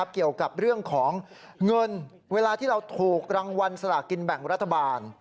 เกี่ยวกับเรื่องของเงินเวลาที่เราถูกรางวัลสลากินแบ่งรัฐบาล